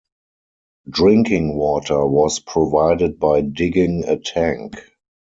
Drinking water was provided by digging a tank.